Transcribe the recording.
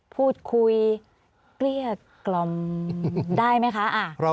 พูดคุยเกลี้ยกล่อมได้ไหมคะ